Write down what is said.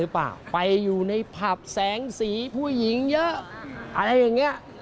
ไปอยู่ในผับแสงสีผู้หญิงเยอะอะไรอย่างนี้